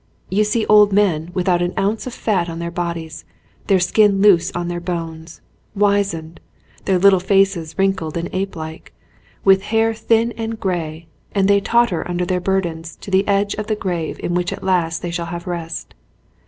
You see old men without an ounce of fat on their bodies, their skin loose on their bones, wizened, their little faces wrinkled and apelike, with hair thin and grey ; and they totter under their burdens to the edge of the grave in which at last they shall have rest.